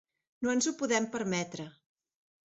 No ens ho podem permetre.